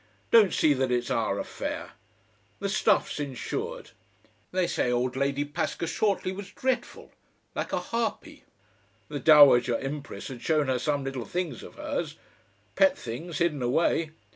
Don't see that it's our affair. The stuff's insured. They say old Lady Paskershortly was dreadful. Like a harpy. The Dowager Empress had shown her some little things of hers. Pet things hidden away.